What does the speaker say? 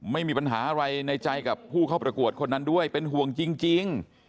ไม่มีปัญหาอะไรในใจกับผู้เข้าประกวดคนนั้นด้วยเป็นห่วงจริง